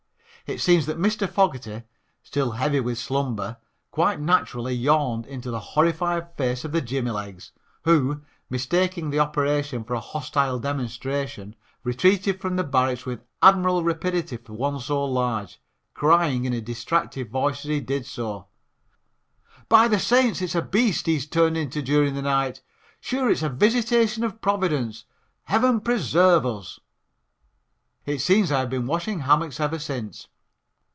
It seems that Mr. Fogerty, still heavy with slumber, quite naturally yawned into the horrified face of the Jimmy legs, who, mistaking the operation for a hostile demonstration, retreated from the barracks with admirable rapidity for one so large, crying in a distracted voice as he did so: "By the saints, it's a beast he's turned into during the night. Sure, it's a visitation of Providence, heaven preserve us." It seems I have been washing hammocks ever since.